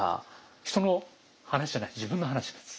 人の話じゃない自分の話なんです。